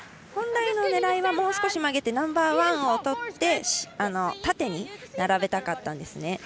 本来の狙いはもう少し曲げてナンバーワンを取って縦に並べたかったんですね。